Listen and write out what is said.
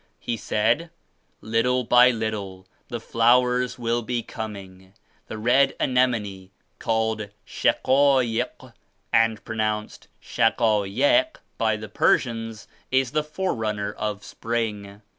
He said "Little by little the flowers will be coming. The red anemone, called 'Shaquaik' and pronounced *Shaka yek' by the Persians, is the forerunner of spring.